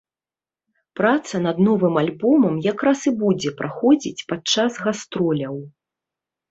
Праца над новым альбомам як раз і будзе праходзіць падчас гастроляў.